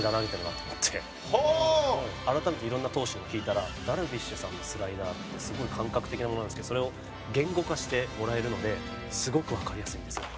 改めていろんな投手に聞いたらダルビッシュさんのスライダーってすごい感覚的なものなんですけどそれを言語化してもらえるのですごくわかりやすいんですよって。